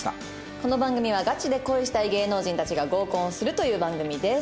この番組はガチで恋したい芸能人たちが合コンをするという番組です。